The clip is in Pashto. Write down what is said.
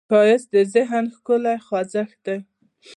ښایست د ذهن ښکلې خوځښت دی